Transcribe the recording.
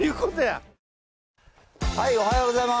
おはようございます。